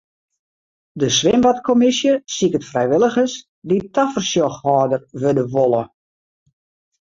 De swimbadkommisje siket frijwilligers dy't tafersjochhâlder wurde wolle.